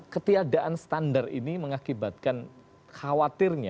ketiadaan standar ini mengakibatkan khawatirnya